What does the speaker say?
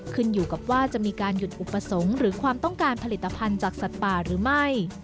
ขึ้นอยู่กับว่าจะมีการหยุดอุปสรรคหรือความต้องการผลิตภัณฑ์จากสัตว์ป่าหรือไม่